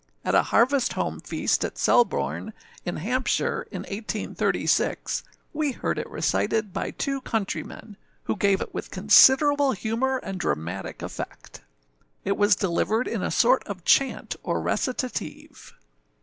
At a harvest home feast at Selborne, in Hampshire, in 1836, we heard it recited by two countrymen, who gave it with considerable humour, and dramatic effect. It was delivered in a sort of chant, or recitative.